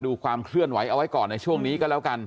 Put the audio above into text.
ความเคลื่อนไหวเอาไว้ก่อนในช่วงนี้ก็แล้วกัน